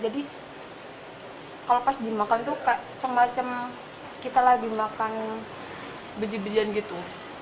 jadi kalau pas dimakan itu semacam kita lagi makan biji bijian gitu